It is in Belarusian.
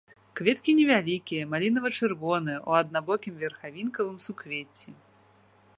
Кветкі невялікія, малінава-чырвоныя, у аднабокім верхавінкавым суквецці.